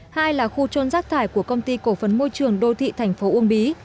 hai là khu trôn rác thải của công ty cổ phấn môi trường đô thị thành phố uông bí